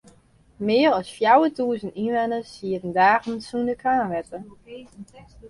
Mear as fjouwertûzen ynwenners sieten dagen sûnder kraanwetter.